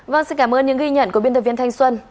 vâng xin cảm ơn những ghi nhận của biên tập viên thanh xuân